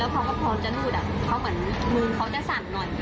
แล้วพอเต็มนูตเขามือเขาจะสั่นหน่อย